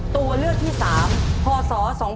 ตัวเลือกที่๓พศ๒๕๖